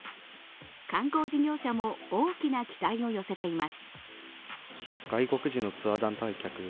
観光事業者も大きな期待を寄せています。